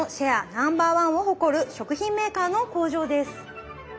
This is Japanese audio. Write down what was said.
ナンバーワンを誇る食品メーカーの工場です。